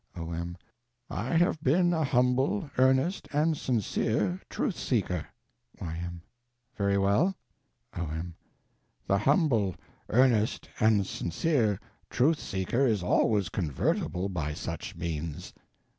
O.M. I have been a humble, earnest, and sincere Truth Seeker. Y.M. Very well? O.M. The humble, earnest, and sincere Truth Seeker is always convertible by such means.